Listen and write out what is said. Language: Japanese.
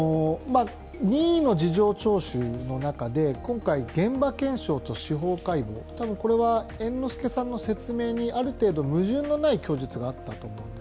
任意の事情聴取の中で、今回、現場検証と司法解剖、多分これは猿之助さんの供述にある程度、矛盾のない供述が出てきた。